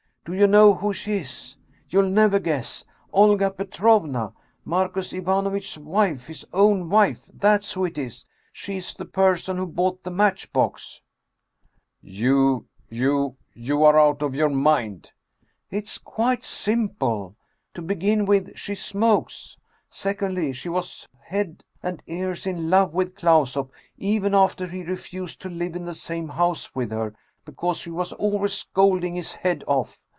Do you know who she is? You'll never guess! Olga Petrovna, Marcus Ivanovitch's wife his own wife that's who it is! She is the person who bought the matchbox !"" You you you are out of your mind !"" It's quite simple ! To begin with, she smokes. Sec ondly, she was head and ears in love with Klausoff, even after he refused to live in the same house with her, because she was always scolding his head off.